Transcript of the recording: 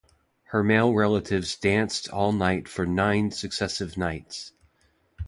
Her male relatives danced all night for nine successive nights.